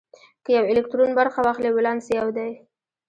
که یو الکترون برخه واخلي ولانس یو دی.